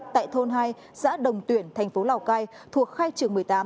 tại thôn hai xã đồng tuyển thành phố lào cai thuộc khai trường một mươi tám